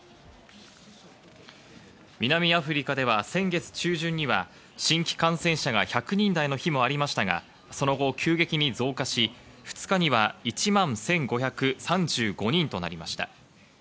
南アフリカでは先月中旬には新規感染者が１００人台の日もありましたが、その後、急激に増加し２日には１万１５３５人となりました。